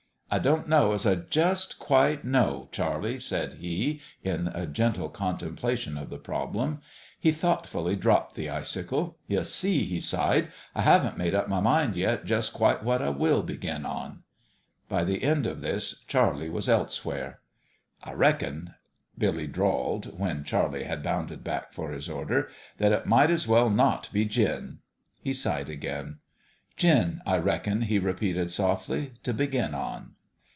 "I don't know as I just quite know, Charlie," said he, in a gentle contemplation of the problem. He thoughtfully dropped the icicle. " Ye see," he sighed, " I haven't made up my mind yet just quite what I will begin on." By the end of this Charlie was elsewhere. " I reckon," Billy drawled, when Charlie had bounded back for his order, "that it might 's well as not be gin." He sighed again. " Gin, I reckon," he repeated, softly, " t' begin on."